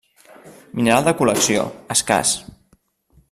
Mineral de col·lecció, escàs.